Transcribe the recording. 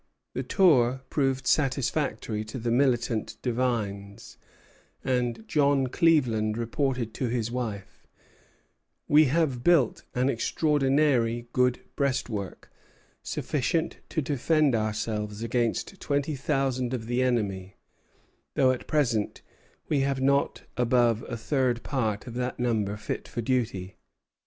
The tour proved satisfactory to the militant divines, and John Cleaveland reported to his wife: "We have built an extraordinary good breastwork, sufficient to defend ourselves against twenty thousand of the enemy, though at present we have not above a third part of that number fit for duty."